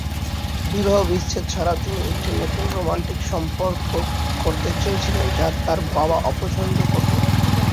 বিবাহবিচ্ছেদ ছাড়াও, তিনি একটি নতুন রোমান্টিক সম্পর্ক করতে চেয়েছিলেন, যা তার বাবা অপছন্দ করতেন।